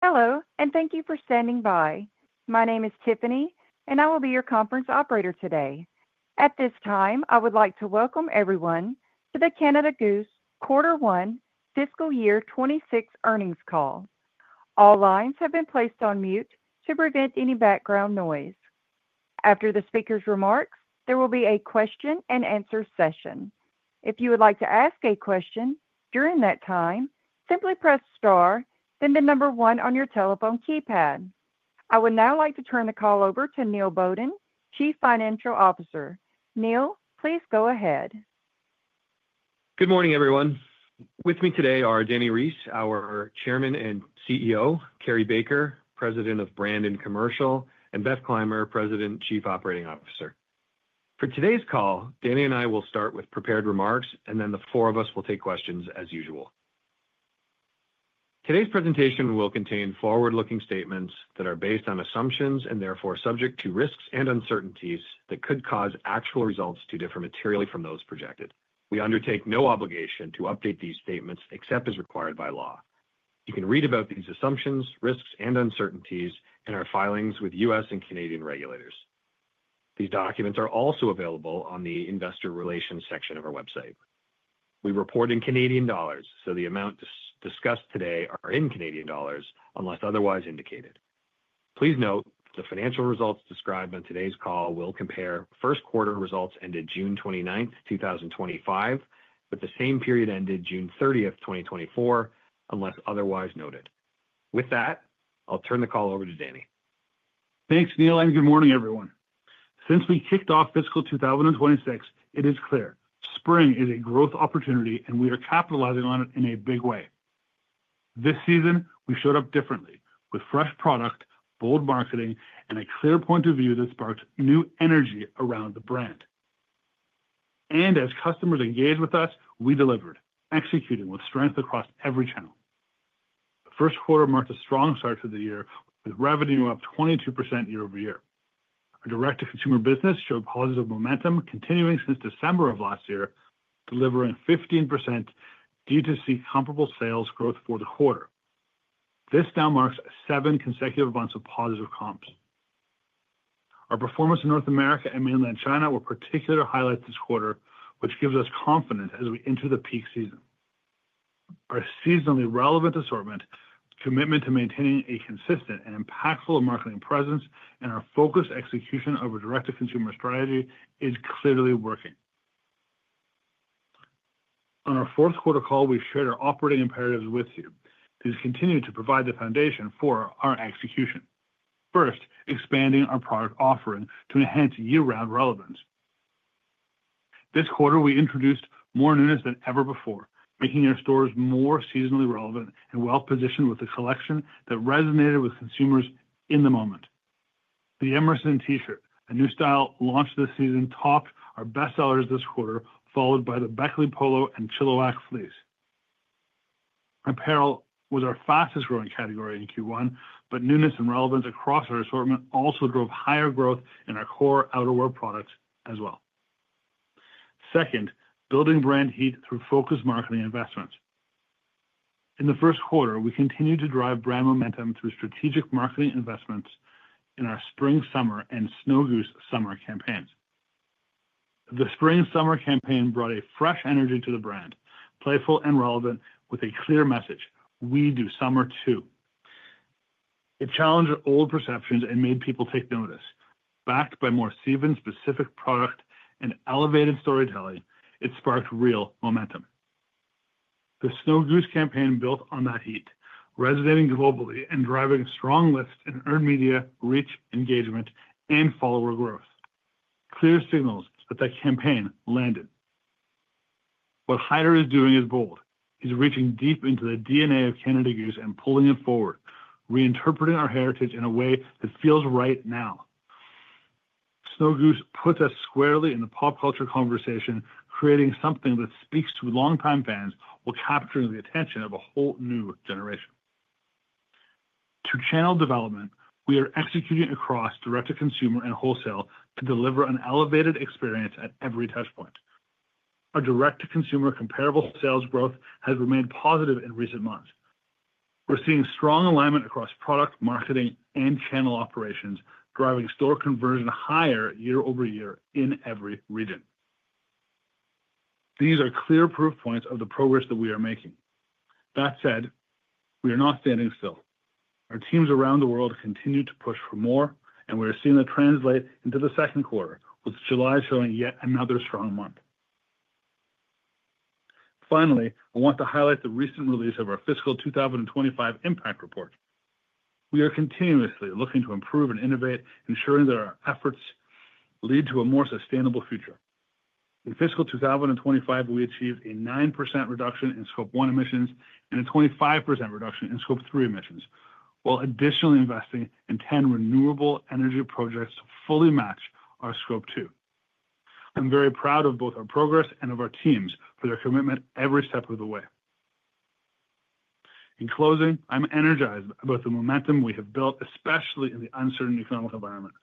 Hello, and thank you for standing by. My name is Tiffany, and I will be your conference operator today. At this time, I would like to welcome everyone to the Canada Goose Quarter One Fiscal Year 2026 Earnings Call. All lines have been placed on mute to prevent any background noise. After the speaker's remarks, there will be a question and answer session. If you would like to ask a question during that time, simply press star then the number one on your telephone keypad. I would now like to turn the call over to Neil Bowden, Chief Financial Officer. Neil, please go ahead. Good morning, everyone. With me today are Dani Reiss, our Chairman and CEO, Carrie Baker, President of Brand and Commercial, and Beth Clymer, President, Chief Operating Officer. For today's call, Dani and I will start with prepared remarks, and then the four of us will take questions as usual. Today's presentation will contain forward-looking statements that are based on assumptions and therefore subject to risks and uncertainties that could cause actual results to differ materially from those projected. We undertake no obligation to update these statements except as required by law. You can read about these assumptions, risks, and uncertainties in our filings with U.S. and Canadian regulators. These documents are also available on the Investor Relations section of our website. We report in Canadian dollars, so the amounts discussed today are in Canadian dollars unless otherwise indicated. Please note the financial results described on today's call will compare first quarter results ended June 29, 2025, with the same period ended June 30, 2024, unless otherwise noted. With that, I'll turn the call over to Dani. Thanks, Neil, and good morning, everyone. Since we kicked off Fiscal 2026, it is clear spring is a growth opportunity, and we are capitalizing on it in a big way. This season, we showed up differently with fresh product, bold marketing, and a clear point of view that sparked new energy around the brand. As customers engaged with us, we delivered, executing with strength across every channel. The first quarter marked a strong start to the year, with revenue up 22% year-over-year. Our direct-to-consumer business showed positive momentum continuing since December of last year, delivering 15% DTC comparable sales growth for the quarter. This now marks seven consecutive months of positive comps. Our performance in North America and mainland China were particular highlights this quarter, which gives us confidence as we enter the peak season. Our seasonally relevant assortment, commitment to maintaining a consistent and impactful marketing presence, and our focused execution of a direct-to-consumer strategy is clearly working. On our fourth quarter call, we shared our operating imperatives with you. These continue to provide the foundation for our execution. First, expanding our product offering to enhance year-round relevance. This quarter, we introduced more newness than ever before, making our stores more seasonally relevant and well-positioned with a collection that resonated with consumers in the moment. The Emerson T-shirt, a new style launched this season, topped our bestsellers this quarter, followed by the Beckley Polo and Chilliwack fleece. Apparel was our fastest growing category in Q1, but newness and relevance across our assortment also drove higher growth in our core outerwear products as well. Second, building brand heat through focused marketing investments. In the first quarter, we continued to drive brand momentum through strategic marketing investments in our Spring, Summer, and Snow Goose Summer campaigns. The Spring/Summer campaign brought a fresh energy to the brand, playful and relevant, with a clear message: we do summer too. It challenged old perceptions and made people take notice. Backed by more season-specific product and elevated storytelling, it sparked real momentum. The Snow Goose campaign built on that heat, resonating globally and driving strong lifts in earned media, reach, engagement, and follower growth. Clear signals that that campaign landed. What Haider is doing is bold. He's reaching deep into the DNA of Canada Goose and pulling it forward, reinterpreting our heritage in a way that feels right now. Snow Goose puts us squarely in the pop culture conversation, creating something that speaks to longtime fans while capturing the attention of a whole new generation. To channel development, we are executing across direct-to-consumer and wholesale to deliver an elevated experience at every touchpoint. Our direct-to-consumer comparable sales growth has remained positive in recent months. We're seeing strong alignment across product, marketing, and channel operations, driving store conversion higher year-over-year in every region. These are clear proof points of the progress that we are making. That said, we are not standing still. Our teams around the world continue to push for more, and we are seeing that translate into the second quarter, with July showing yet another strong month. Finally, I want to highlight the recent release of our Fiscal 2025 impact report. We are continuously looking to improve and innovate, ensuring that our efforts lead to a more sustainable future. In Fiscal 2025, we achieved a 9% reduction in Scope 1 emissions and a 25% reduction in Scope 3 emissions, while additionally investing in 10 renewable energy projects to fully match our Scope 2. I'm very proud of both our progress and of our teams for their commitment every step of the way. In closing, I'm energized about the momentum we have built, especially in the uncertain economic environment.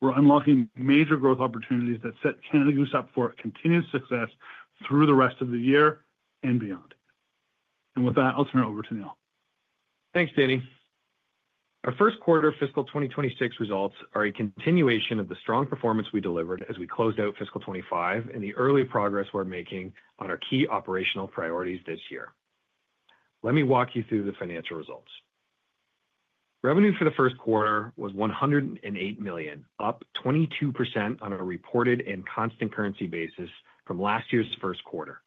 We're unlocking major growth opportunities that set Canada Goose up for continued success through the rest of the year and beyond. With that, I'll turn it over to Neil. Thanks, Dani. Our first quarter Fiscal 2026 results are a continuation of the strong performance we delivered as we closed out Fiscal 2025 and the early progress we're making on our key operational priorities this year. Let me walk you through the financial results. Revenue for the first quarter was 108 million, up 22% on a reported and constant currency basis from last year's first quarter.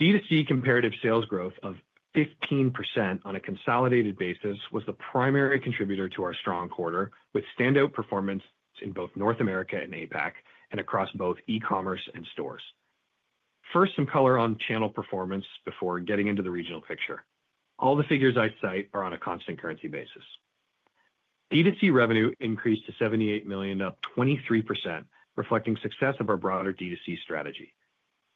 DTC comparable sales growth of 15% on a consolidated basis was the primary contributor to our strong quarter, with standout performance in both North America and APAC and across both e-commerce and stores. First, some color on channel performance before getting into the regional picture. All the figures I cite are on a constant currency basis. DTC revenue increased to 78 million, up 23%, reflecting success of our broader DTC strategy.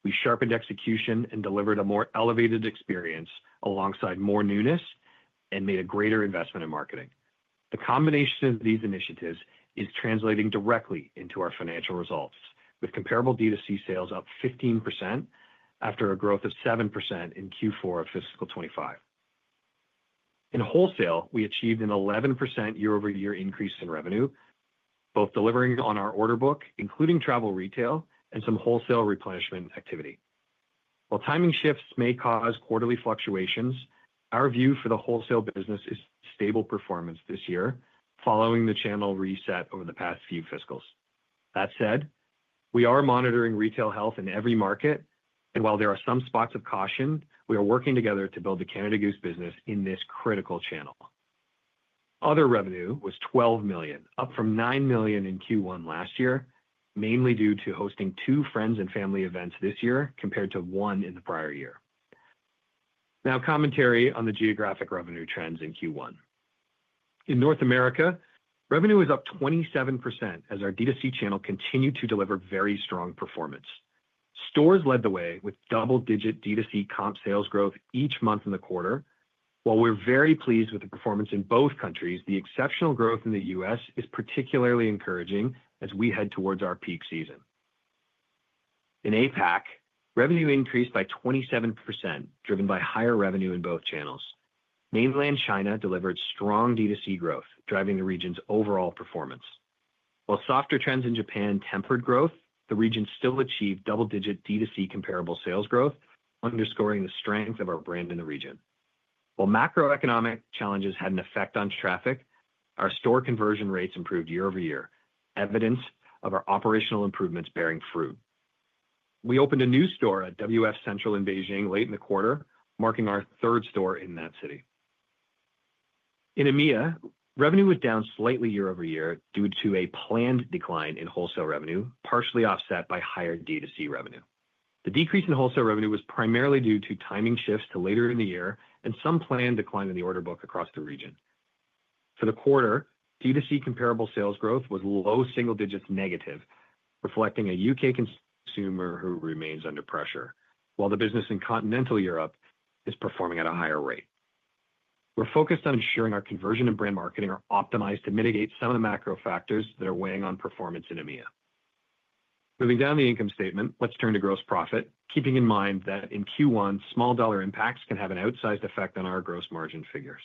We sharpened execution and delivered a more elevated experience alongside more newness and made a greater investment in marketing. The combination of these initiatives is translating directly into our financial results, with comparable DTC sales up 15% after a growth of 7% in Q4 of Fiscal 2025. In wholesale, we achieved an 11% year-over-year increase in revenue, both delivering on our order book, including travel retail and some wholesale replenishment activity. While timing shifts may cause quarterly fluctuations, our view for the wholesale business is stable performance this year, following the channel reset over the past few fiscals. That said, we are monitoring retail health in every market, and while there are some spots of caution, we are working together to build the Canada Goose business in this critical channel. Other revenue was 12 million, up from 9 million in Q1 last year, mainly due to hosting two friends and family events this year compared to one in the prior year. Now, commentary on the geographic revenue trends in Q1. In North America, revenue was up 27% as our DTC channel continued to deliver very strong performance. Stores led the way with double-digit DTC comp sales growth each month in the quarter. While we're very pleased with the performance in both countries, the exceptional growth in the U.S. is particularly encouraging as we head towards our peak season. In APAC, revenue increased by 27%, driven by higher revenue in both channels. Mainland China delivered strong DTC growth, driving the region's overall performance. While softer trends in Japan tempered growth, the region still achieved double-digit DTC comparable sales growth, underscoring the strength of our brand in the region. While macroeconomic challenges had an effect on traffic, our store conversion rates improved year-over-year, evidence of our operational improvements bearing fruit. We opened a new store at WF Central in Beijing late in the quarter, marking our third store in that city. In EMEA, revenue was down slightly year-over-year due to a planned decline in wholesale revenue, partially offset by higher DTC revenue. The decrease in wholesale revenue was primarily due to timing shifts to later in the year and some planned decline in the order book across the region. For the quarter, DTC comparable sales growth was low single-digit negative, reflecting a U.K. consumer who remains under pressure, while the business in continental Europe is performing at a higher rate. We're focused on ensuring our conversion and brand marketing are optimized to mitigate some of the macro factors that are weighing on performance in EMEA. Moving down the income statement, let's turn to gross profit, keeping in mind that in Q1, small dollar impacts can have an outsized effect on our gross margin figures.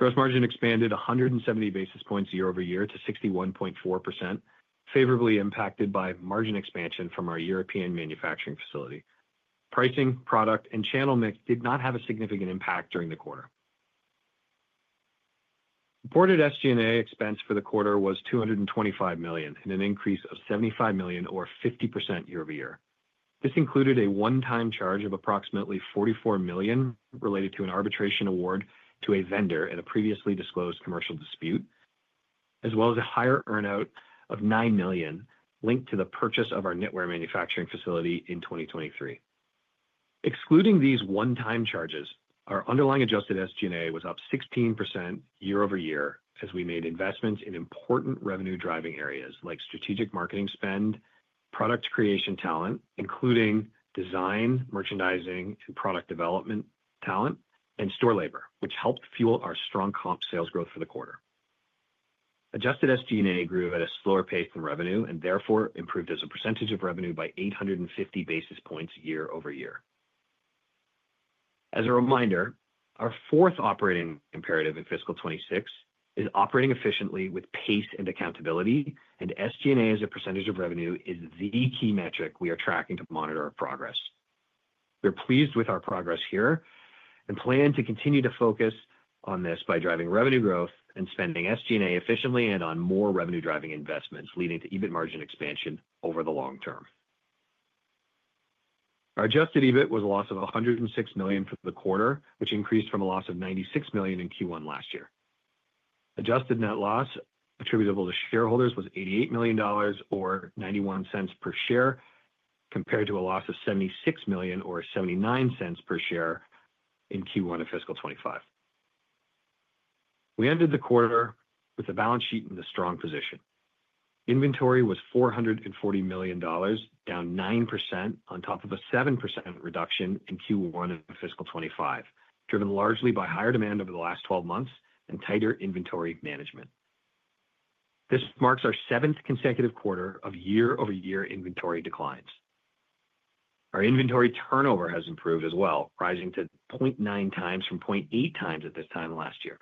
Gross margin expanded 170 basis points year-over-year to 61.4%, favorably impacted by margin expansion from our European manufacturing facility. Pricing, product, and channel mix did not have a significant impact during the quarter. Reported SG&A expense for the quarter was 225 million, an increase of 75 million, or 50% year-over-year. This included a one-time charge of approximately 44 million related to an arbitration award to a vendor at a previously disclosed commercial dispute, as well as a higher earnout of 9 million linked to the purchase of our knitwear manufacturing facility in 2023. Excluding these one-time charges, our underlying adjusted SG&A was up 16% year-over-year as we made investments in important revenue-driving areas like strategic marketing spend, product creation talent, including design, merchandising, and product development talent, and store labor, which helped fuel our strong comp sales growth for the quarter. Adjusted SG&A grew at a slower pace than revenue and therefore improved as a percentage of revenue by 850 basis points year-over-year. As a reminder, our fourth operating imperative in Fiscal 2026 is operating efficiently with pace and accountability, and SG&A as a percentage of revenue is the key metric we are tracking to monitor our progress. We're pleased with our progress here and plan to continue to focus on this by driving revenue growth and spending SG&A efficiently and on more revenue-driving investments, leading to EBIT margin expansion over the long term. Our adjusted EBIT was a loss of 106 million for the quarter, which increased from a loss of 96 million in Q1 last year. Adjusted net loss attributable to shareholders was 88 million dollars, or 0.91 per share, compared to a loss of 76 million, or 0.79 per share in Q1 of Fiscal 2025. We ended the quarter with a balance sheet in a strong position. Inventory was 440 million dollars, down 9% on top of a 7% reduction in Q1 of Fiscal 2025, driven largely by higher demand over the last 12 months and tighter inventory management. This marks our seventh consecutive quarter of year-over-year inventory declines. Our inventory turnover has improved as well, rising to 0.9x from 0.8x at this time last year.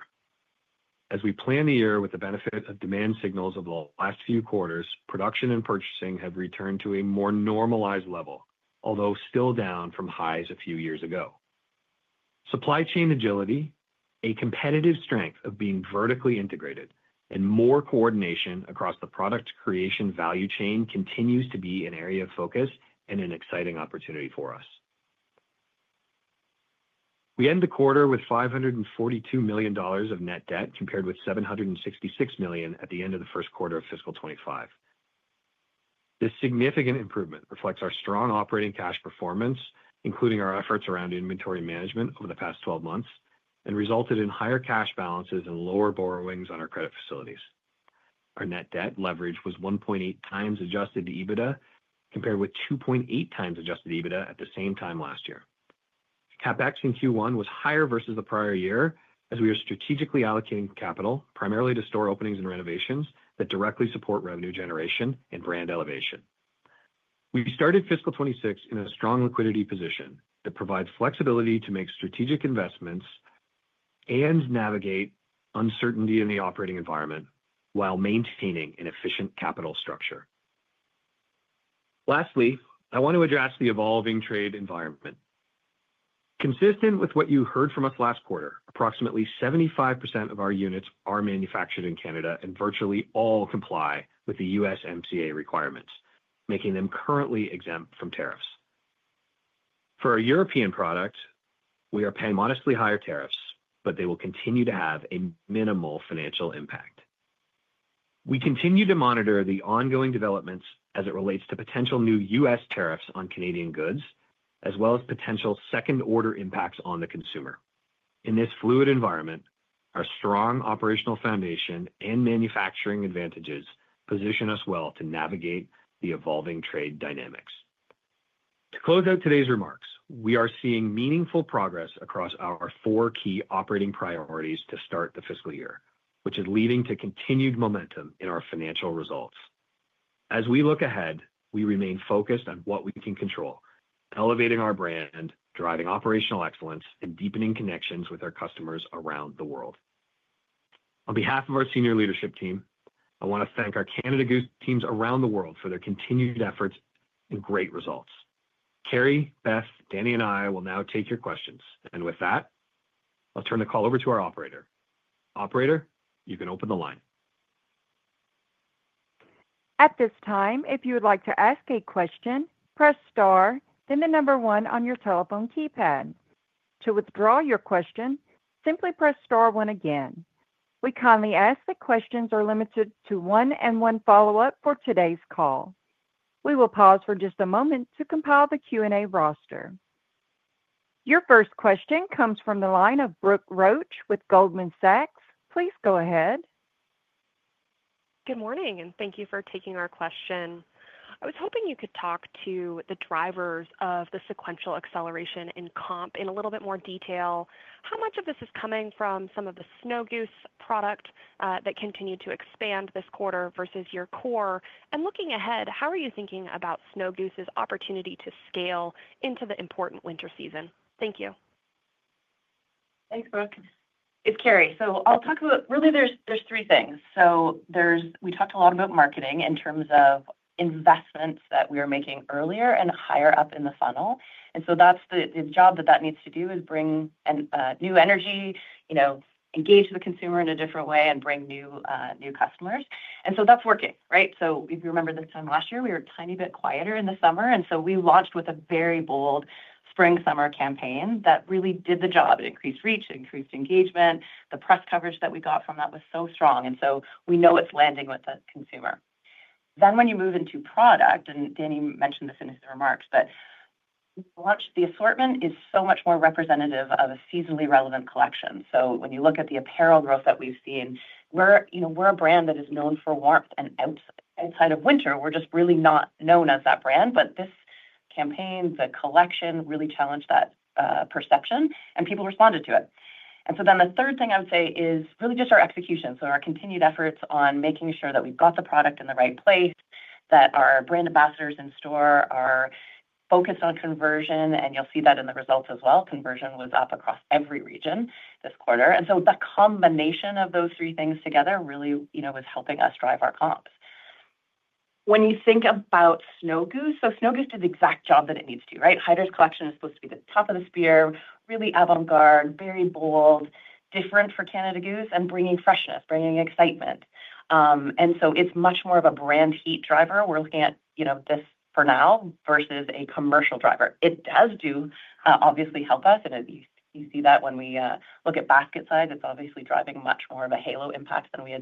As we plan the year with the benefit of demand signals of the last few quarters, production and purchasing have returned to a more normalized level, although still down from highs a few years ago. Supply chain agility, a competitive strength of being vertically integrated, and more coordination across the product creation value chain continues to be an area of focus and an exciting opportunity for us. We end the quarter with 542 million dollars of net debt compared with 766 million at the end of the first quarter of Fiscal 2025. This significant improvement reflects our strong operating cash performance, including our efforts around inventory management over the past 12 months, and resulted in higher cash balances and lower borrowings on our credit facilities. Our net debt leverage was 1.8x adjusted EBITDA compared with 2.8x adjusted EBITDA at the same time last year. CapEx in Q1 was higher versus the prior year as we are strategically allocating capital primarily to store openings and renovations that directly support revenue generation and brand elevation. We started Fiscal 2026 in a strong liquidity position that provides flexibility to make strategic investments and navigate uncertainty in the operating environment while maintaining an efficient capital structure. Lastly, I want to address the evolving trade environment. Consistent with what you heard from us last quarter, approximately 75% of our units are manufactured in Canada and virtually all comply with the USMCA requirements, making them currently exempt from tariffs. For our European product, we are paying modestly higher tariffs, but they will continue to have a minimal financial impact. We continue to monitor the ongoing developments as it relates to potential new U.S. tariffs on Canadian goods, as well as potential second-order impacts on the consumer. In this fluid environment, our strong operational foundation and manufacturing advantages position us well to navigate the evolving trade dynamics. To close out today's remarks, we are seeing meaningful progress across our four key operating priorities to start the fiscal year, which is leading to continued momentum in our financial results. As we look ahead, we remain focused on what we can control, elevating our brand, driving operational excellence, and deepening connections with our customers around the world. On behalf of our Senior Leadership Team, I want to thank our Canada Goose teams around the world for their continued efforts and great results. Carrie, Beth, Dani, and I will now take your questions, and with that, I'll turn the call over to our operator. Operator, you can open the line. At this time, if you would like to ask a question, press star, then the number one on your telephone keypad. To withdraw your question, simply press star one again. We kindly ask that questions are limited to one and one follow-up for today's call. We will pause for just a moment to compile the Q&A roster. Your first question comes from the line of Brooke Roach with Goldman Sachs. Please go ahead. Good morning, and thank you for taking our question. I was hoping you could talk to the drivers of the sequential acceleration in comp in a little bit more detail. How much of this is coming from some of the Snow Goose product that continued to expand this quarter versus your core? Looking ahead, how are you thinking about Snow Goose's opportunity to scale into the important winter season? Thank you. Thanks, Brooke. It's Carrie. I'll talk about really, there's three things. We talked a lot about marketing in terms of investments that we are making earlier and higher up in the funnel. That's the job that that needs to do, bring new energy, engage the consumer in a different way, and bring new customers. That's working, right? If you remember this time last year, we were a tiny bit quieter in the summer. We launched with a very bold Spring/Summer campaign that really did the job. It increased reach, it increased engagement. The press coverage that we got from that was so strong. We know it's landing with the consumer. When you move into product, and Dani mentioned this in the remarks, the assortment is so much more representative of a seasonally relevant collection. When you look at the apparel growth that we've seen, we're a brand that is known for warmth. Outside of winter, we're just really not known as that brand. This campaign, the collection really challenged that perception, and people responded to it. The third thing I would say is really just our execution. Our continued efforts on making sure that we've got the product in the right place, that our brand ambassadors in store are focused on conversion, and you'll see that in the results as well. Conversion was up across every region this quarter. The combination of those three things together really was helping us drive our comps. When you think about Snow Goose, Snow Goose did the exact job that it needs to do, right? Haider's collection is supposed to be the top of the spear, really avant-garde, very bold, different for Canada Goose, and bringing freshness, bringing excitement. It's much more of a brand heat driver. We're looking at this for now versus a commercial driver. It does do, obviously, help us. You see that when we look at basket size. It's obviously driving much more of a halo impact than we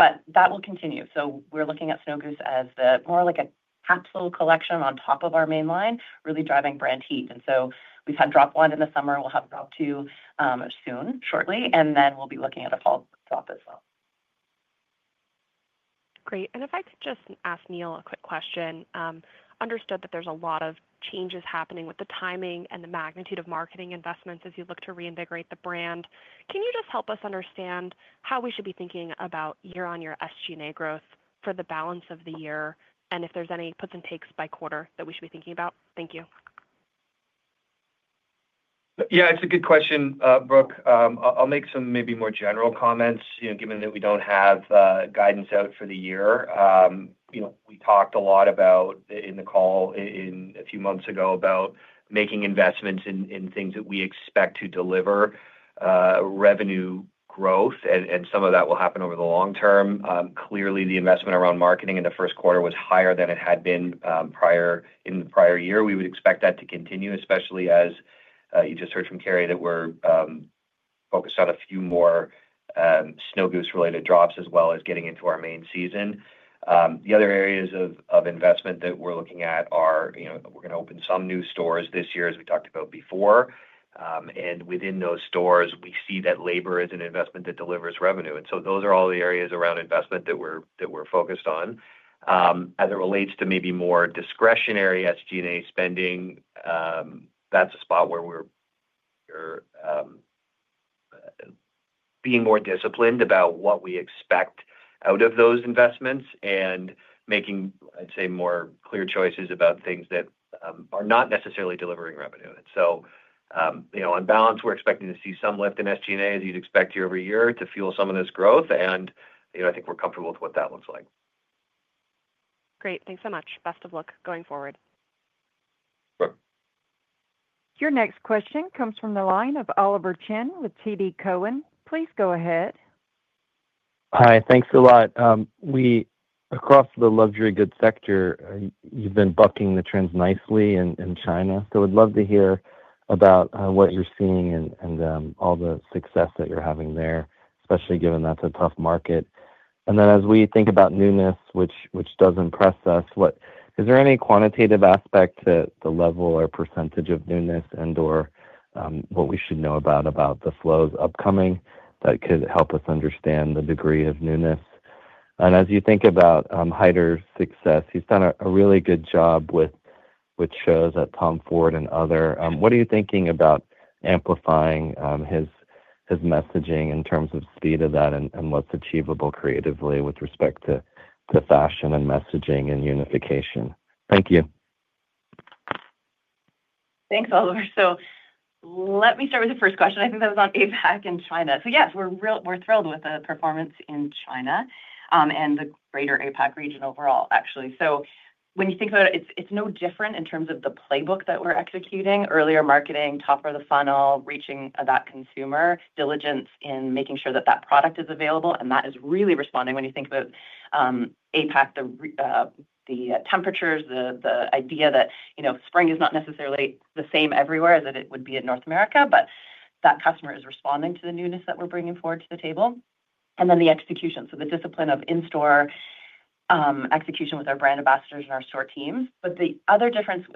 had anticipated. That will continue. We're looking at Snow Goose as more like a capsule collection on top of our main line, really driving brand heat. We've had drop one in the summer. We'll have drop two soon, shortly. We'll be looking at a fall drop as well. Great. If I could just ask Neil a quick question. Understood that there's a lot of changes happening with the timing and the magnitude of marketing investments as you look to reintegrate the brand. Can you help us understand how we should be thinking about year-on-year SG&A growth for the balance of the year? If there's any puts and takes by quarter that we should be thinking about? Thank you. Yeah, it's a good question, Brooke. I'll make some maybe more general comments, given that we don't have guidance out for the year. We talked a lot about in the call a few months ago about making investments in things that we expect to deliver revenue growth, and some of that will happen over the long term. Clearly, the investment around marketing in the first quarter was higher than it had been in the prior year. We would expect that to continue, especially as you just heard from Carrie, that we're focused on a few more Snow Goose-related drops, as well as getting into our main season. The other areas of investment that we're looking at are, we're going to open some new stores this year, as we talked about before. Within those stores, we see that labor is an investment that delivers revenue. Those are all the areas around investment that we're focused on. As it relates to maybe more discretionary SG&A spending, that's a spot where we're being more disciplined about what we expect out of those investments and making, I'd say, more clear choices about things that are not necessarily delivering revenue. On balance, we're expecting to see some lift in SG&A, as you'd expect year-over-year, to fuel some of this growth. I think we're comfortable with what that looks like. Great. Thanks so much. Best of luck going forward. Your next question comes from the line of Oliver Chen with TD Cowen. Please go ahead. Hi. Thanks a lot. Across the luxury goods sector, you've been bucking the trends nicely in China. I would love to hear about what you're seeing and all the success that you're having there, especially given that's a tough market. As we think about newness, which does impress us, is there any quantitative aspect to the level or percentage of newness and or what we should know about the flows upcoming that could help us understand the degree of newness? As you think about Haider's success, he's done a really good job with shows at Tom Ford and others. What are you thinking about amplifying his messaging in terms of speed of that and what's achievable creatively with respect to fashion and messaging and unification? Thank you. Thanks, Oliver. Let me start with the first question. I think that was on APAC in China. Yes, we're thrilled with the performance in China and the greater APAC region overall, actually. When you think about it, it's no different in terms of the playbook that we're executing. Earlier marketing, top of the funnel, reaching that consumer, diligence in making sure that that product is available, and that is really responding. When you think about APAC, the temperatures, the idea that spring is not necessarily the same everywhere as it would be in North America, that customer is responding to the newness that we're bringing forward to the table. The execution, the discipline of in-store execution with our brand ambassadors and our store teams. The other difference,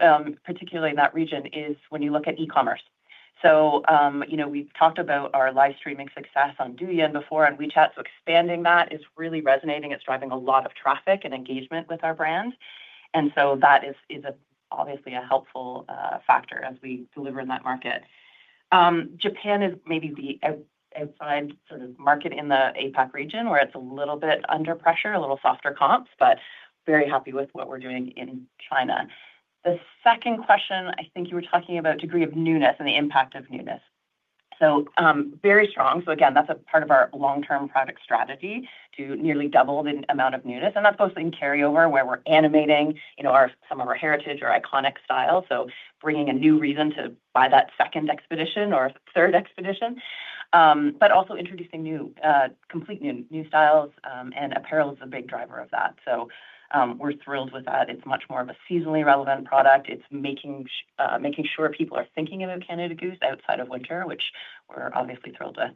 particularly in that region, is when you look at e-commerce. We've talked about our live streaming success on Douyin before and WeChat. Expanding that is really resonating. It's driving a lot of traffic and engagement with our brands. That is obviously a helpful factor as we deliver in that market. Japan is maybe the outside sort of market in the APAC region where it's a little bit under pressure, a little softer comps, but very happy with what we're doing in China. The second question, I think you were talking about degree of newness and the impact of newness. Very strong. That's a part of our long-term private strategy to nearly double the amount of newness. That's mostly in carryover where we're animating some of our heritage or iconic style. Bringing a new reason to buy that second expedition or third expedition, but also introducing new, completely new styles. Apparel is a big driver of that. We're thrilled with that. It's much more of a seasonally relevant product. It's making sure people are thinking about Canada Goose outside of winter, which we're obviously thrilled with.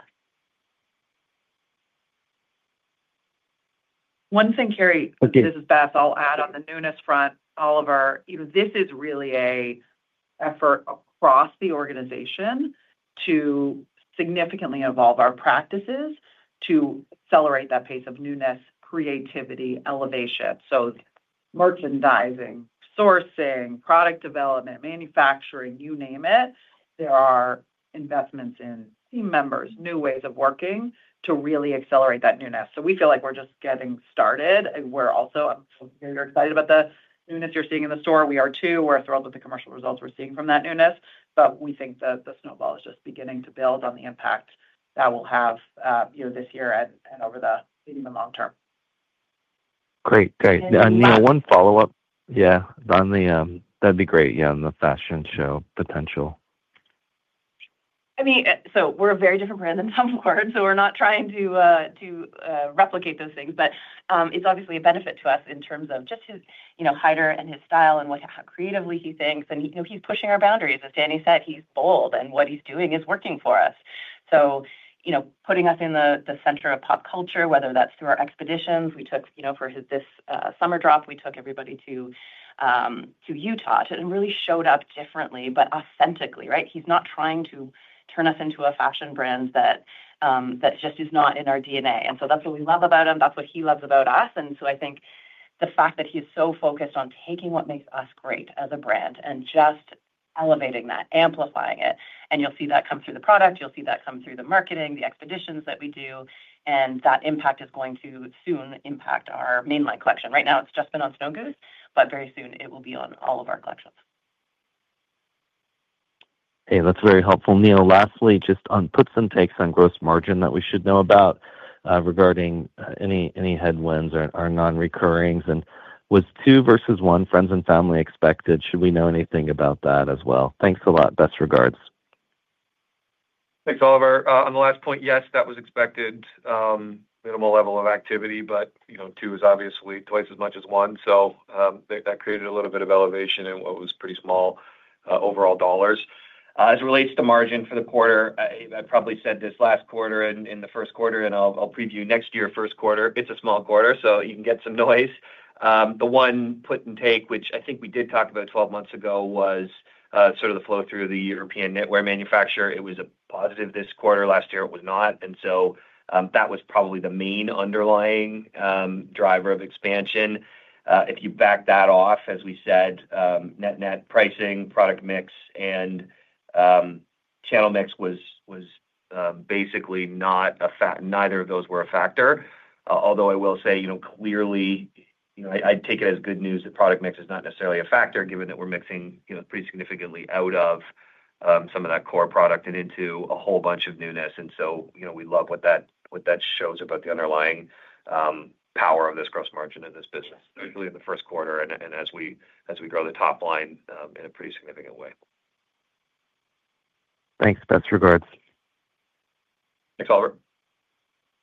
One thing, Carrie, this is Beth. I'll add on the newness front, Oliver, this is really an effort across the organization to significantly evolve our practices to accelerate that pace of newness, creativity, elevation. Merchandising, sourcing, product development, manufacturing, you name it, there are investments in team members, new ways of working to really accelerate that newness. We feel like we're just getting started. We're also, I'm sure you're excited about the newness you're seeing in the store. We are too. We're thrilled with the commercial results we're seeing from that newness. We think that the snowball is just beginning to build on the impact that we'll have this year and over the medium and long term. Great. Neil, one follow-up. On the fashion show potential, that'd be great. I mean, we're a very different brand than Tom Ford, so we're not trying to replicate those things, but it's obviously a benefit to us in terms of just, you know, Haider and his style and how creatively he thinks. He's pushing our boundaries. As Dani said, he's bold and what he's doing is working for us. Putting us in the center of pop culture, whether that's through our expeditions. For this summer drop, we took everybody to Utah and really showed up differently, but authentically, right? He's not trying to turn us into a fashion brand that just is not in our DNA. That's what we love about him. That's what he loves about us. I think the fact that he's so focused on taking what makes us great as a brand and just elevating that, amplifying it. You'll see that come through the product. You'll see that come through the marketing, the expeditions that we do. That impact is going to soon impact our mainline collection. Right now, it's just been on Snow Goose, but very soon it will be on all of our collections. Hey, that's very helpful. Neil, lastly, just on puts and takes on gross margin that we should know about regarding any headwinds or non-recurrings. Was two versus one, friends and family expected? Should we know anything about that as well? Thanks a lot. Best regards. Thanks, Oliver. On the last point, yes, that was expected. Minimal level of activity, but you know, two is obviously twice as much as one. That created a little bit of elevation in what was pretty small overall dollars. As it relates to margin for the quarter, I probably said this last quarter and in the first quarter, and I'll preview next year's first quarter. It's a small quarter, so you can get some noise. The one put and take, which I think we did talk about 12 months ago, was sort of the flow through the European knitwear manufacturer. It was a positive this quarter. Last year, it was not. That was probably the main underlying driver of expansion. If you back that off, as we said, net net pricing, product mix, and channel mix was basically not a factor. Neither of those were a factor. I will say, you know, clearly, you know, I take it as good news that product mix is not necessarily a factor, given that we're mixing, you know, pretty significantly out of some of that core product and into a whole bunch of newness. We love what that shows about the underlying power of this gross margin in this business, particularly in the first quarter, and as we grow the top line in a pretty significant way. Thanks. Best regards. Thanks, Oliver.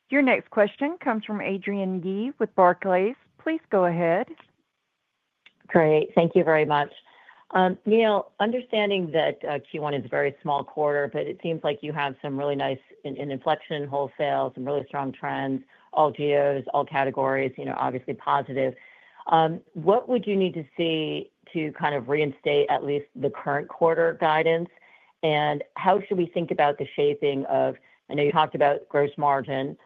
Your next question comes from Adrianne Yih with Barclays. Please go ahead. Great. Thank you very much. Neil, understanding that Q1 is a very small quarter, it seems like you have some really nice inflection in wholesale, some really strong trends, all geos, all categories, obviously positive. What would you need to see to kind of reinstate at least the current quarter guidance? How should we think about the shaping of, I know you talked about gross margin,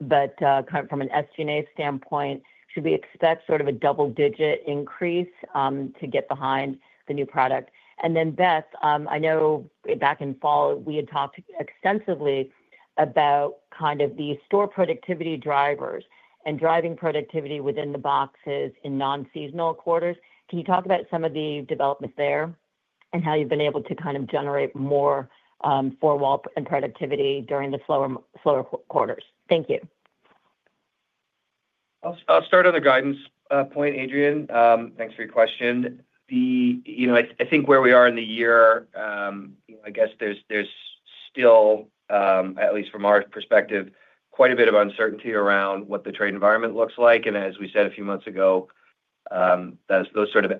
but kind of from an SG&A standpoint, should we expect sort of a double-digit increase to get behind the new product? Beth, I know back in fall, we had talked extensively about kind of the store productivity drivers and driving productivity within the boxes in non-seasonal quarters. Can you talk about some of the development there and how you've been able to kind of generate more formal and productivity during the slower quarters? Thank you. I'll start on the guidance point, Adrianne. Thanks for your question. I think where we are in the year, there's still, at least from our perspective, quite a bit of uncertainty around what the trade environment looks like. As we said a few months ago, those sort of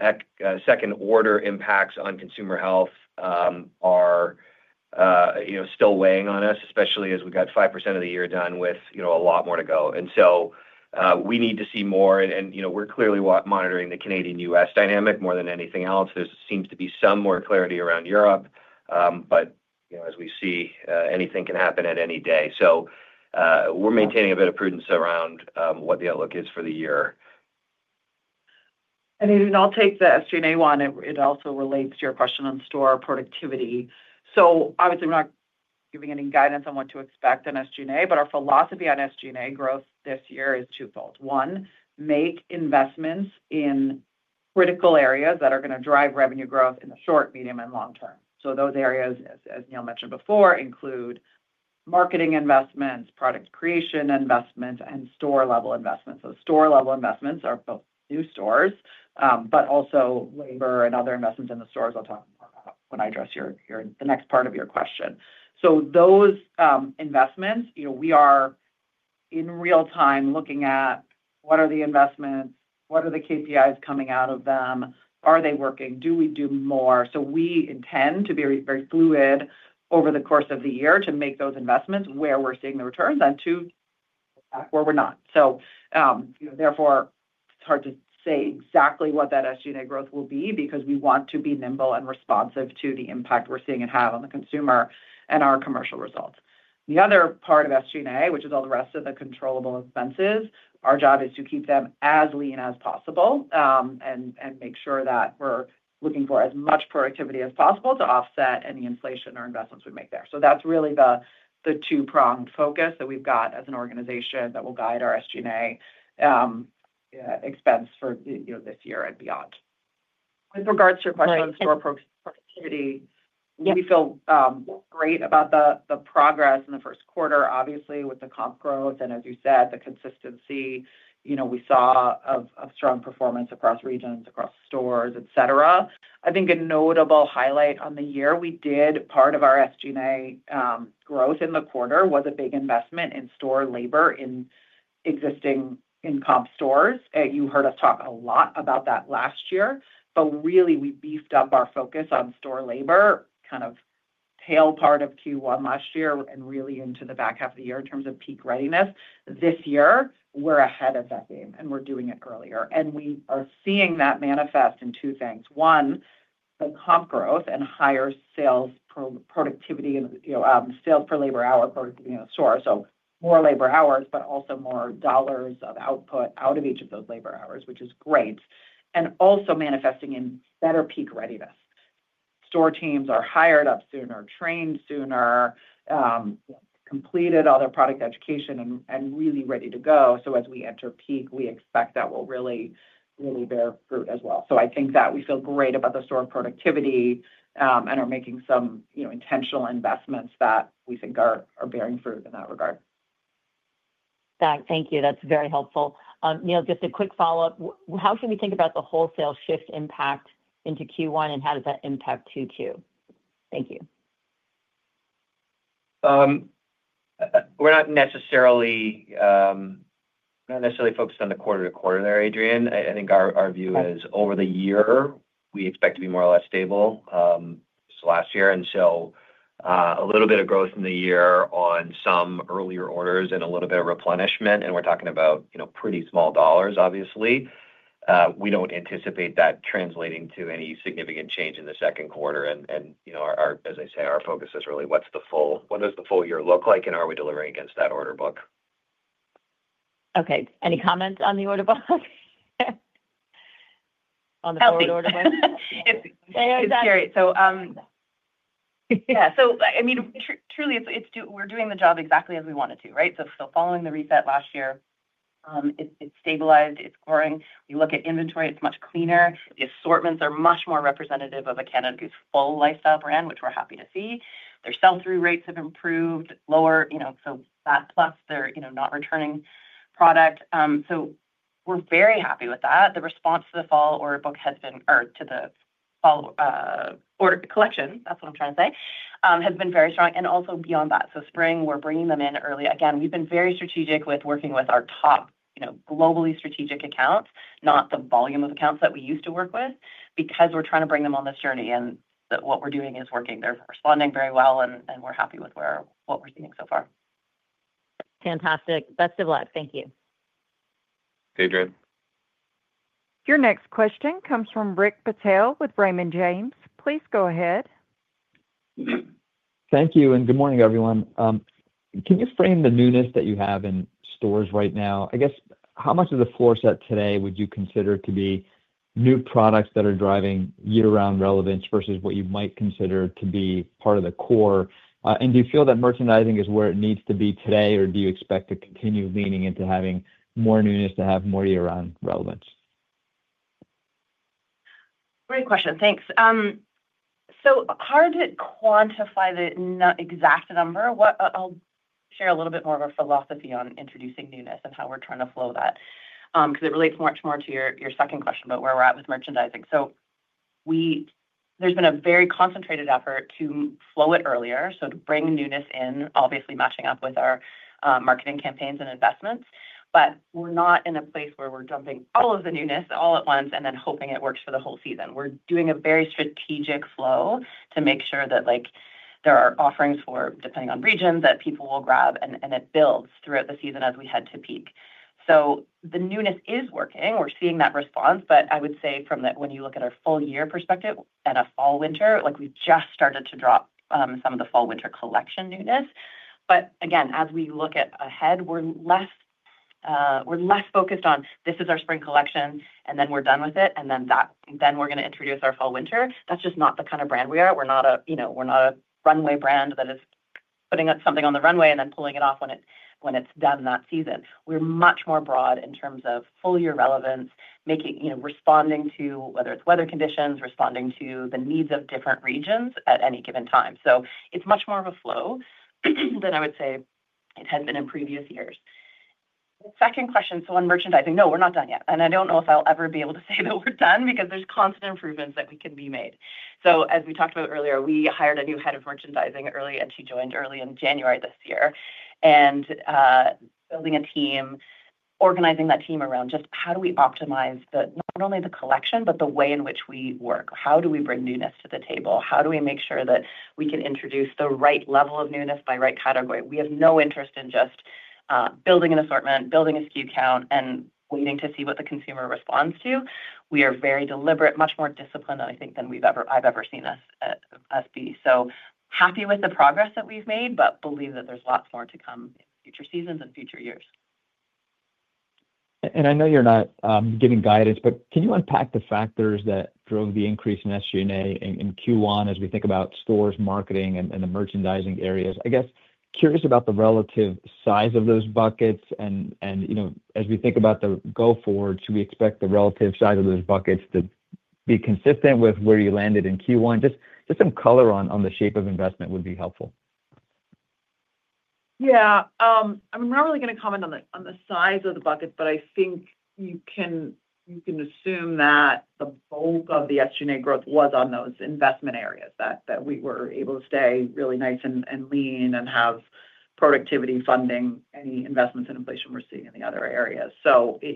second-order impacts on consumer health are still weighing on us, especially as we got 5% of the year done with a lot more to go. We need to see more. We're clearly monitoring the Canadian-U.S. dynamic more than anything else. There seems to be some more clarity around Europe. As we see, anything can happen at any day. We're maintaining a bit of prudence around what the outlook is for the year. Adrianne, I'll take the SG&A one. It also relates to your question on store productivity. Obviously, we're not giving any guidance on what to expect in SG&A, but our philosophy on SG&A growth this year is twofold. One, make investments in critical areas that are going to drive revenue growth in the short, medium, and long term. Those areas, as Neil mentioned before, include marketing investments, product creation investments, and store-level investments. Store-level investments are both new stores, but also labor and other investments in the stores. I'll talk when I address the next part of your question. Those investments, we are in real time looking at what are the investments, what are the KPIs coming out of them, are they working, do we do more. We intend to be very fluid over the course of the year to make those investments where we're seeing the returns and to where we're not. Therefore, it's hard to say exactly what that SG&A growth will be because we want to be nimble and responsive to the impact we're seeing it have on the consumer and our commercial results. The other part of SG&A, which is all the rest of the controllable expenses, our job is to keep them as lean as possible and make sure that we're looking for as much productivity as possible to offset any inflation or investments we make there. That's really the two-pronged focus that we've got as an organization that will guide our SG&A expense for this year and beyond. With regards to your question on store productivity, we feel great about the progress in the first quarter, obviously, with the comp growth and, as you said, the consistency, we saw of strong performance across regions, across stores, etc. I think a notable highlight on the year we did part of our SG&A growth in the quarter was a big investment in store labor in existing in-comp stores. You heard us talk a lot about that last year. We beefed up our focus on store labor, kind of tail part of Q1 last year, and really into the back half of the year in terms of peak readiness. This year, we're ahead of that game, and we're doing it earlier. We are seeing that manifest in two things. One, the comp growth and higher sales productivity and sales per labor hour productivity in the store. More labor hours, but also more dollars of output out of each of those labor hours, which is great. Also manifesting in better peak readiness. Store teams are hired up sooner, trained sooner, completed all their product education, and really ready to go. As we enter peak, we expect that will really, really bear fruit as well. I think that we feel great about the store productivity and are making some intentional investments that we think are bearing fruit in that regard. Beth, thank you. That's very helpful. Neil, just a quick follow-up. How should we think about the wholesale shift impact into Q1, and how does that impact Q2? Thank you. We're not necessarily focused on the quarter to quarter there, Adrianne. I think our view is over the year, we expect to be more or less stable just last year, and so a little bit of growth in the year on some earlier orders and a little bit of replenishment. We're talking about pretty small dollars, obviously. We don't anticipate that translating to any significant change in the second quarter. As I say, our focus is really what does the full year look like, and are we delivering against that order book? Okay. Any comments on the order book? On the forward order book? This is Carrie. We're doing the job exactly as we want it to, right? It's still following the reset last year. It's stabilized. It's growing. You look at inventory, it's much cleaner. The assortments are much more representative of a Canada Goose full lifestyle brand, which we're happy to see. Their sell-through rates have improved, lower, you know, so that plus they're not returning product. We're very happy with that. The response to the fall order book, or to the fall order collection, that's what I'm trying to say, has been very strong. Also beyond that. Spring, we're bringing them in early. Again, we've been very strategic with working with our top, you know, globally strategic accounts, not the volume of accounts that we used to work with, because we're trying to bring them on this journey. What we're doing is working. They're responding very well, and we're happy with what we're seeing so far. Fantastic. Best of luck. Thank you. Adrianne. Your next question comes from Rick Patel with Raymond James. Please go ahead. Thank you, and good morning, everyone. Can you frame the newness that you have in stores right now? I guess, how much of the floor set today would you consider to be new products that are driving year-round relevance versus what you might consider to be part of the core? Do you feel that merchandising is where it needs to be today, or do you expect to continue leaning into having more newness to have more year-round relevance? Great question. Thanks. Hard to quantify the exact number. I'll share a little bit more of our philosophy on introducing newness and how we're trying to flow that because it relates much more to your second question about where we're at with merchandising. There's been a very concentrated effort to flow it earlier, to bring newness in, obviously matching up with our marketing campaigns and investments. We're not in a place where we're dumping all of the newness all at once and then hoping it works for the whole season. We're doing a very strategic flow to make sure that there are offerings for, depending on region, that people will grab, and it builds throughout the season as we head to peak. The newness is working. We're seeing that response, but I would say from that when you look at our full year perspective and a fall winter, like we've just started to drop some of the fall winter collection newness. Again, as we look ahead, we're less focused on this is our spring collection, and then we're done with it, and then we're going to introduce our fall winter. That's just not the kind of brand we are. We're not a runway brand that is putting something on the runway and then pulling it off when it's done that season. We're much more broad in terms of full year relevance, responding to whether it's weather conditions, responding to the needs of different regions at any given time. It's much more of a flow than I would say it had been in previous years. Second question, on merchandising, no, we're not done yet. I don't know if I'll ever be able to say that we're done because there's constant improvements that can be made. As we talked about earlier, we hired a new Head of Merchandising early, and she joined early in January this year. Building a team, organizing that team around just how do we optimize not only the collection, but the way in which we work. How do we bring newness to the table? How do we make sure that we can introduce the right level of newness by right category? We have no interest in just building an assortment, building a SKU count, and waiting to see what the consumer responds to. We are very deliberate, much more disciplined, I think, than I've ever seen us be. Happy with the progress that we've made, but believe that there's lots more to come in future seasons and future years. I know you're not giving guidance, but can you unpack the factors that drove the increase in SG&A in Q1 as we think about stores, marketing, and the merchandising areas? I'm curious about the relative size of those buckets. As we think about the go forward, do we expect the relative size of those buckets to be consistent with where you landed in Q1? Just some color on the shape of investment would be helpful. I'm not really going to comment on the size of the buckets, but I think you can assume that the bulk of the SG&A growth was on those investment areas that we were able to stay really nice and lean and have productivity funding any investments in inflation we're seeing in the other areas. It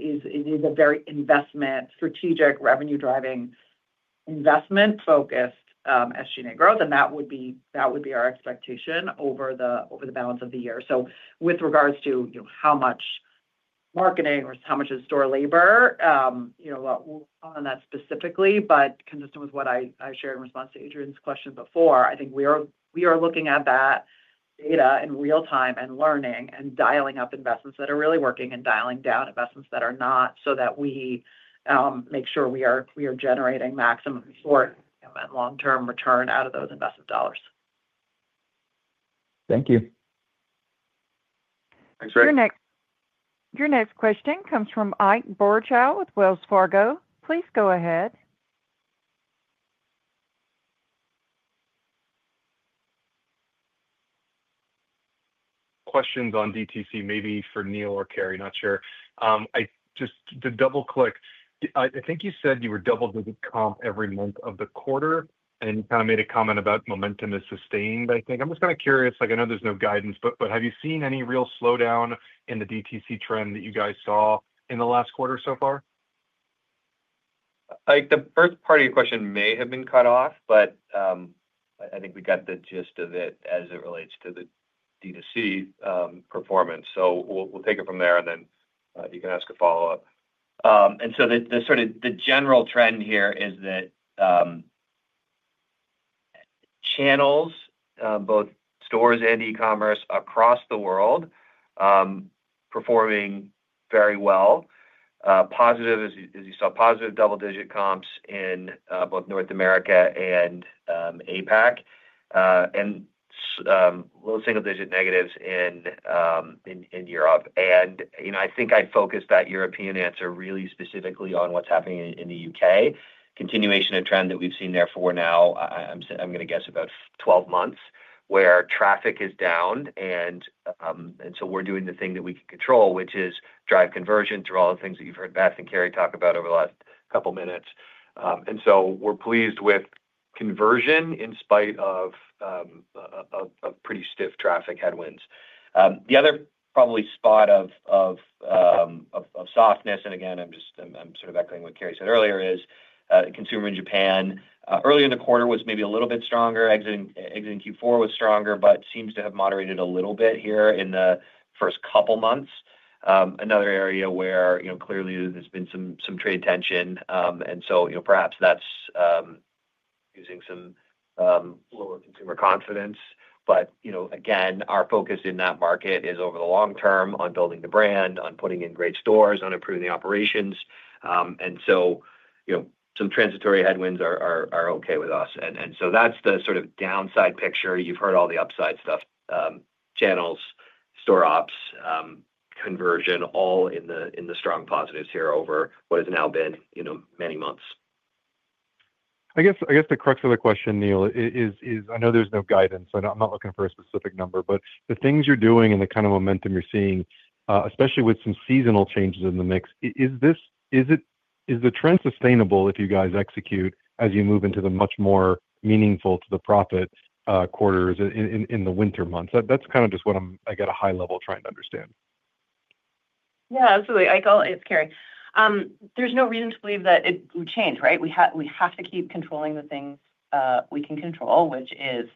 is a very investment, strategic, revenue-driving, investment-focused SG&A growth, and that would be our expectation over the balance of the year. With regards to how much marketing or how much is store labor, you know, we're not on that specifically, but consistent with what I shared in response to Adrian's question before, I think we are looking at that data in real time and learning and dialing up investments that are really working and dialing down investments that are not so that we make sure we are generating maximum and long-term return out of those investment dollars. Thank you. Thanks, Rick. Your next question comes from Ike Boruchow with Wells Fargo. Please go ahead. Questions on DTC, maybe for Neil or Carrie, not sure. I just did double-click. I think you said you were double-digit comp every month of the quarter, and you kind of made a comment about momentum is sustained. I think I'm just kind of curious, like I know there's no guidance, but have you seen any real slowdown in the DTC trend that you guys saw in the last quarter so far? Ike the first part of your question may have been cut off, but I think we got the gist of it as it relates to the DTC performance. We'll take it from there, and then you can ask a follow-up. The general trend here is that channels, both stores and e-commerce across the world, are performing very well. Positive, as you saw, positive double-digit comps in both North America and APAC, and little single-digit negatives in Europe. I think I'd focus that European answer really specifically on what's happening in the UK. Continuation of trend that we've seen there for now, I'm going to guess about 12 months, where traffic is down. We're doing the thing that we can control, which is drive conversion through all the things that you've heard Beth and Carrie talk about over the last couple of minutes. We're pleased with conversion in spite of pretty stiff traffic headwinds. The other probably spot of softness, and again, I'm just sort of echoing what Carrie said earlier, is consumer in Japan earlier in the quarter was maybe a little bit stronger. Exiting Q4 was stronger, but seems to have moderated a little bit here in the first couple of months. Another area where clearly there's been some trade tension. Perhaps that's using some lower consumer confidence. Again, our focus in that market is over the long term on building the brand, on putting in great stores, on improving the operations. Some transitory headwinds are okay with us. That's the sort of downside picture. You've heard all the upside stuff: channels, store ops, conversion, all in the strong positives here over what has now been, you know, many months. I guess the crux of the question, Neil, is I know there's no guidance. I'm not looking for a specific number, but the things you're doing and the kind of momentum you're seeing, especially with some seasonal changes in the mix, is the trend sustainable if you guys execute as you move into the much more meaningful to the profit quarters in the winter months? That's kind of just what I'm, at a high level, trying to understand. Yeah, absolutely. Ike, it's Carrie. There's no reason to believe that it would change, right? We have to keep controlling the thing we can control, which is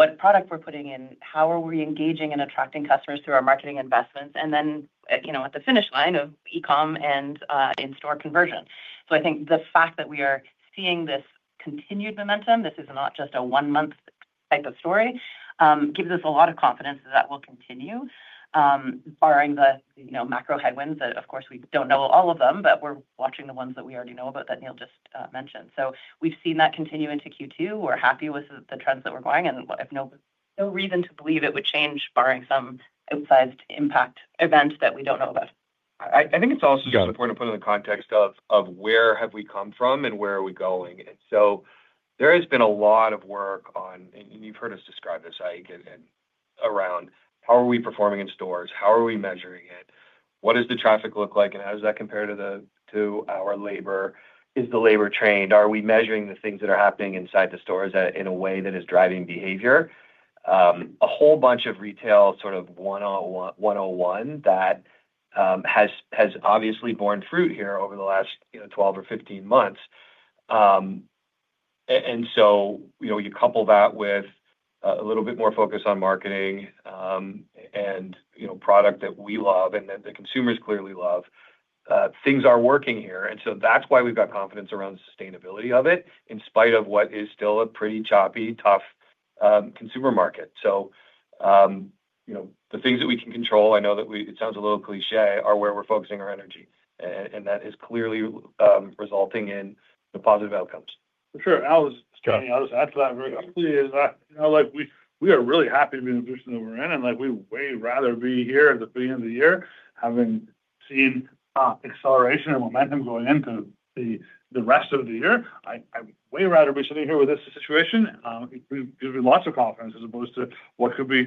what product we're putting in, how are we engaging and attracting customers through our marketing investments, and then, you know, at the finish line of e-com and in-store conversion. I think the fact that we are seeing this continued momentum, this is not just a one-month type of story, gives us a lot of confidence that that will continue, barring the macro headwinds that, of course, we don't know all of them, but we're watching the ones that we already know about that Neil just mentioned. We've seen that continue into Q2. We're happy with the trends that we're going, and I have no reason to believe it would change, barring some outside impact events that we don't know about. I think it's also important to put in the context of where have we come from and where are we going. There has been a lot of work on, and you've heard us describe this, Ike, around how are we performing in stores? How are we measuring it? What does the traffic look like? How does that compare to our labor? Is the labor trained? Are we measuring the things that are happening inside the stores in a way that is driving behavior? A whole bunch of retail sort of 101 that has obviously borne fruit here over the last 12 or 15 months. You couple that with a little bit more focus on marketing and product that we love and that the consumers clearly love. Things are working here. That's why we've got confidence around the sustainability of it, in spite of what is still a pretty choppy, tough consumer market. The things that we can control, I know that it sounds a little cliché, are where we're focusing our energy. That is clearly resulting in positive outcomes. Sure. I was just going to add to that very quickly, we are really happy to be in the position that we're in. We'd way rather be here at the beginning of the year, having seen acceleration and momentum going into the rest of the year. I'd way rather be sitting here with this situation. It would be lots of confidence as opposed to what could be a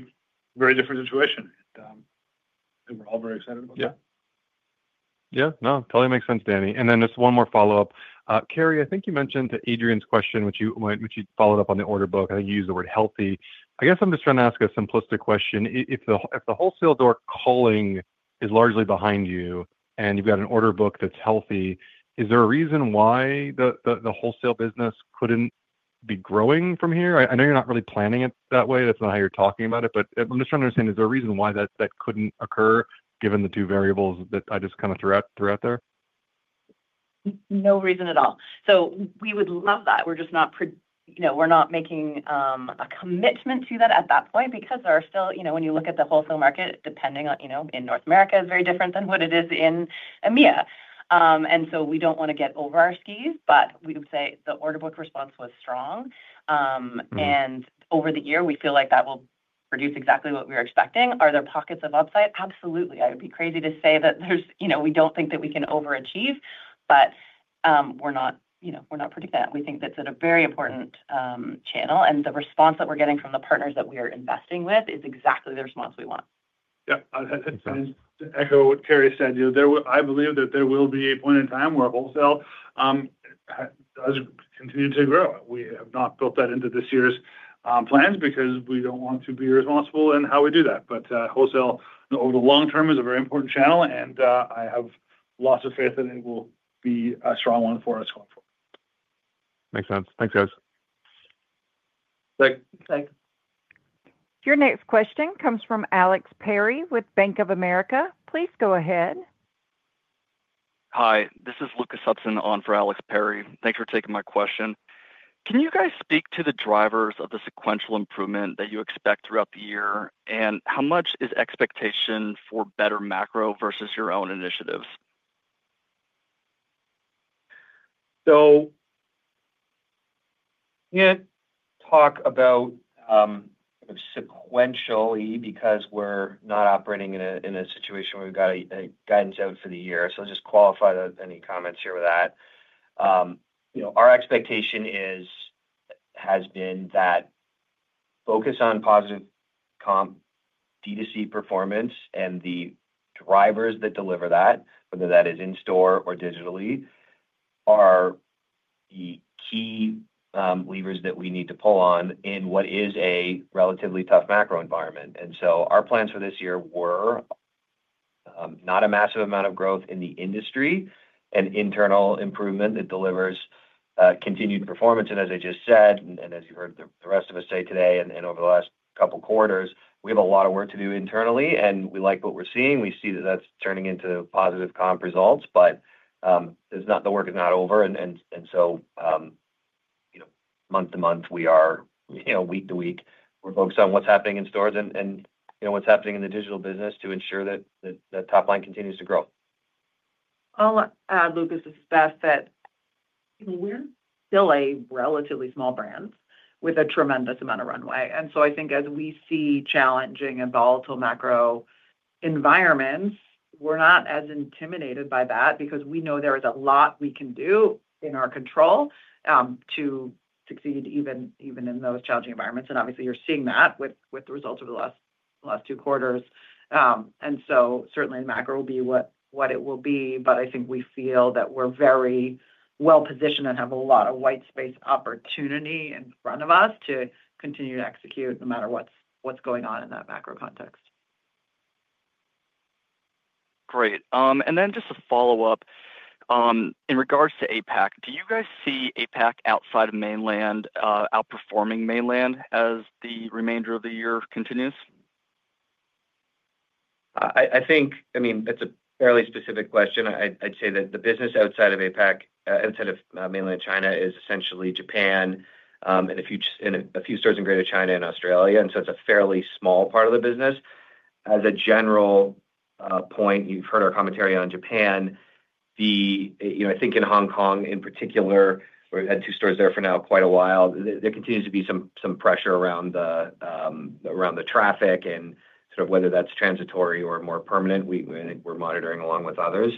very different situation. We're all very excited about that. Yeah. No, totally makes sense, Dani. Just one more follow-up. Carrie, I think you mentioned to Adrianne's question, which you followed up on the order book. I think you used the word healthy. I guess I'm just trying to ask a simplistic question. If the wholesale door calling is largely behind you and you've got an order book that's healthy, is there a reason why the wholesale business couldn't be growing from here? I know you're not really planning it that way. That's not how you're talking about it. I'm just trying to understand, is there a reason why that couldn't occur given the two variables that I just kind of threw out there? No reason at all. We would love that. We're just not making a commitment to that at that point because there are still, you know, when you look at the wholesale market, depending on, you know, in North America is very different than what it is in EMEA. We don't want to get over our skis, but we would say the order book response was strong. Over the year, we feel like that will produce exactly what we were expecting. Are there pockets of upside? Absolutely. I would be crazy to say that there's, you know, we don't think that we can overachieve, but we're not, you know, we're not predicting that. We think that's a very important channel, and the response that we're getting from the partners that we are investing with is exactly the response we want. Yeah, to echo what Carrie said, I believe that there will be a point in time where wholesale does continue to grow. We have not built that into this year's plans because we don't want to be irresponsible in how we do that. Wholesale over the long term is a very important channel, and I have lots of faith that it will be a strong one for us going forward. Makes sense. Thanks, guys. Thanks. Your next question comes from Alex Perry with Bank of America. Please go ahead. Hi. This is Lucas Hudson on for Alex Perry. Thanks for taking my question. Can you guys speak to the drivers of the sequential improvement that you expect throughout the year, and how much is expectation for better macro versus your own initiatives? I'm going to talk about kind of sequentially because we're not operating in a situation where we've got a guidance out for the year. I'll just qualify any comments here with that. You know, our expectation has been that focus on positive comp DTC performance and the drivers that deliver that, whether that is in-store or digitally, are the key levers that we need to pull on in what is a relatively tough macro environment. Our plans for this year were not a massive amount of growth in the industry, an internal improvement that delivers continued performance. As I just said, and as you heard the rest of us say today and over the last couple of quarters, we have a lot of work to do internally, and we like what we're seeing. We see that that's turning into positive comp results, but the work is not over. Month to month, we are, you know, week to week, we're focused on what's happening in stores and what's happening in the digital business to ensure that the top line continues to grow. We're still a relatively small brand with a tremendous amount of runway. I think as we see challenging and volatile macro environments, we're not as intimidated by that because we know there is a lot we can do in our control to succeed even in those challenging environments. Obviously, you're seeing that with the results of the last two quarters. The macro will be what it will be, but I think we feel that we're very well positioned and have a lot of white space opportunity in front of us to continue to execute no matter what's going on in that macro context. Great. Just a follow-up. In regards to APAC, do you guys see APAC outside of mainland outperforming mainland as the remainder of the year continues? I think it's a fairly specific question. I'd say that the business outside of APAC, outside of mainland China, is essentially Japan and a few stores in Greater China and Australia, so it's a fairly small part of the business. As a general point, you've heard our commentary on Japan. I think in Hong Kong, in particular, where we've had two stores there for now quite a while, there continues to be some pressure around the traffic and sort of whether that's transitory or more permanent. We're monitoring along with others.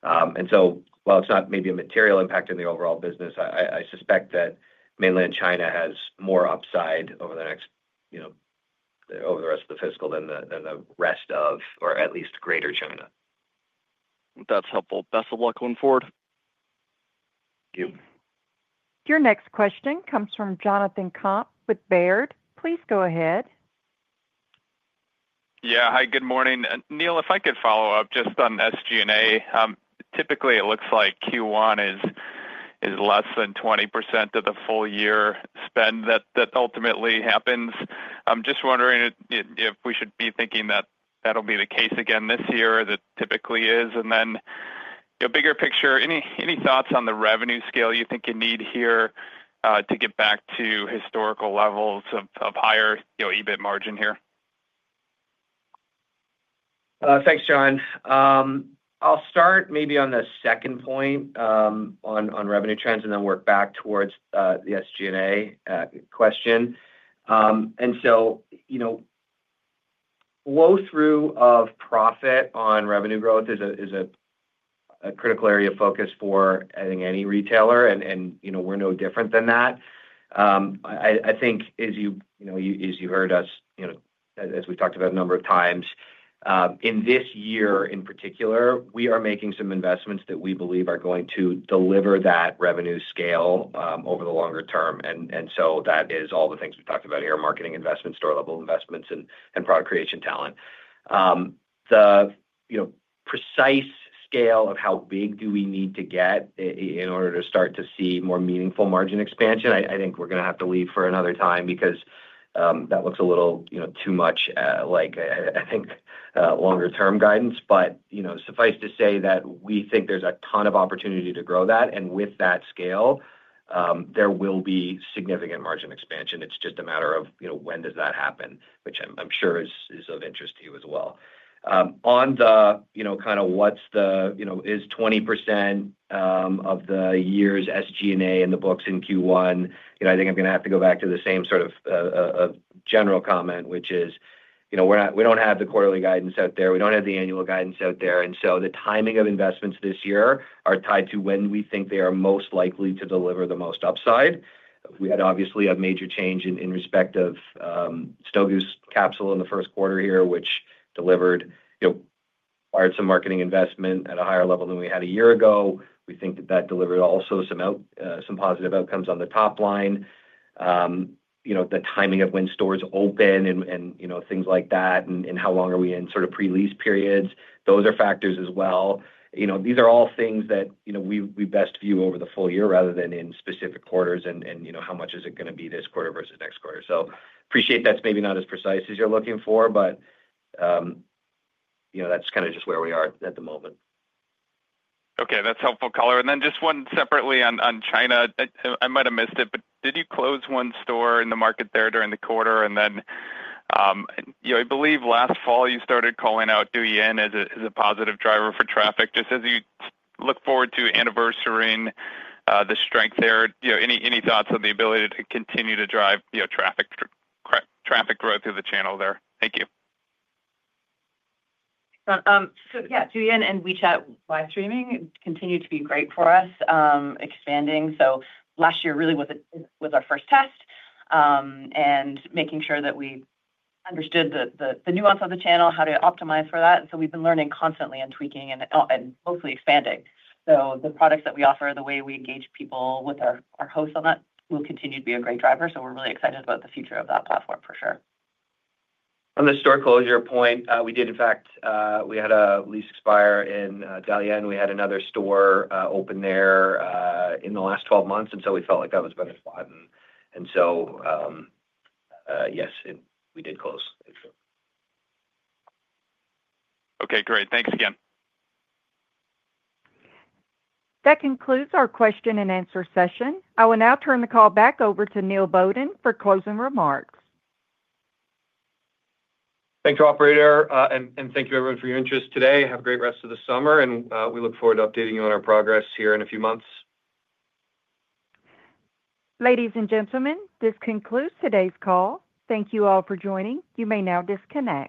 While it's not maybe a material impact in the overall business, I suspect that mainland China has more upside over the rest of the fiscal than the rest of, or at least Greater China. That's helpful. Best of luck going forward. Thank you. Your next question comes from Jonathan Komp with Baird. Please go ahead. Yeah. Hi. Good morning. Neil, if I could follow up just on SG&A. Typically, it looks like Q1 is less than 20% of the full year spend that ultimately happens. I'm just wondering if we should be thinking that that'll be the case again this year, that typically is, and then a bigger picture. Any thoughts on the revenue scale you think you need here to get back to historical levels of higher EBIT margin here? Thanks, Jon. I'll start maybe on the second point on revenue trends and then work back towards the SG&A question. Flow-through of profit on revenue growth is a critical area of focus for, I think, any retailer, and you know we're no different than that. I think, as you heard us, you know, as we've talked about a number of times, in this year in particular, we are making some investments that we believe are going to deliver that revenue scale over the longer term. That is all the things we've talked about here: marketing investments, store-level investments, and product creation talent. The precise scale of how big do we need to get in order to start to see more meaningful margin expansion, I think we're going to have to leave for another time because that looks a little too much like, I think, longer-term guidance. Suffice to say that we think there's a ton of opportunity to grow that, and with that scale, there will be significant margin expansion. It's just a matter of when does that happen, which I'm sure is of interest to you as well. On the kind of what's the, you know, is 20% of the year's SG&A in the books in Q1, you know, I think I'm going to have to go back to the same sort of general comment, which is, you know, we don't have the quarterly guidance out there. We don't have the annual guidance out there. The timing of investments this year are tied to when we think they are most likely to deliver the most upside. We had obviously a major change in respect of Snow Goose capsule in the first quarter here, which delivered, you know, some marketing investment at a higher level than we had a year ago. We think that that delivered also some positive outcomes on the top line. The timing of when stores open and things like that, and how long are we in sort of pre-lease periods, those are factors as well. These are all things that we best view over the full year rather than in specific quarters and how much is it going to be this quarter versus next quarter. I appreciate that's maybe not as precise as you're looking for, but you know, that's kind of just where we are at the moment. Okay. That's helpful, color. Just one separately on China. I might have missed it, but did you close one store in the market there during the quarter? I believe last fall you started calling out Douyin as a positive driver for traffic. As you look forward to anniversarying the strength there, any thoughts on the ability to continue to drive traffic growth through the channel there? Thank you. Yeah, Douyin and WeChat live streaming continue to be great for us expanding. Last year really was our first test and making sure that we understood the nuance of the channel, how to optimize for that. We've been learning constantly and tweaking and hopefully expanding. The products that we offer, the way we engage people with our hosts on that will continue to be a great driver. We're really excited about the future of that platform for sure. On the store closure point, we did, in fact, have a lease expire in Dalian. We had another store open there in the last 12 months, and we felt like that was a better spot. Yes, we did close. Okay, great. Thanks again. That concludes our question and answer session. I will now turn the call back over to Neil Bowden for closing remarks. Thanks, operator, and thank you everyone for your interest today. Have a great rest of the summer, and we look forward to updating you on our progress here in a few months. Ladies and gentlemen, this concludes today's call. Thank you all for joining. You may now disconnect.